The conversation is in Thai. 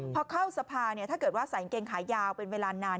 พอเข้าสภาถ้าเกิดว่าใส่กางเกงขายาวเป็นเวลานาน